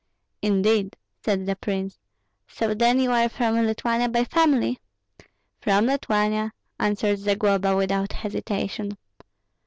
"Indeed," said the prince; "so then you are from Lithuania by family?" "From Lithuania!" answered Zagloba, without hesitation.